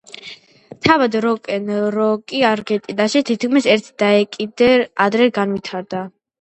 თავად როკ-ენ-როლი არგენტინაში თითქმის ერთი დეკადით ადრე განვითარდა.